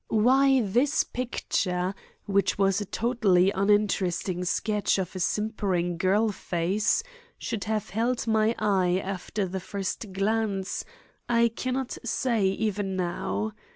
Why this picture, which was a totally uninteresting sketch of a simpering girl face, should have held my eye after the first glance, I can not say even now.